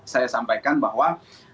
saya sampaikan bahwa